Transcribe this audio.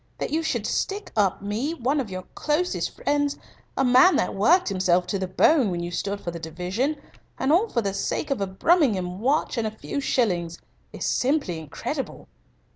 That you should stick up me, one of your closest friends, a man that worked himself to the bone when you stood for the division and all for the sake of a Brummagem watch and a few shillings is simply incredible."